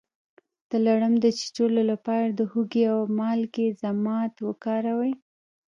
د لړم د چیچلو لپاره د هوږې او مالګې ضماد وکاروئ